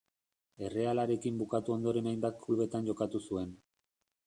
Errealarekin bukatu ondoren hainbat klubetan jokatu zuen.